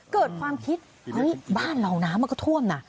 เกิดความคิดเฮ้ยบ้านเราน้ำมันก็ท่วมนะ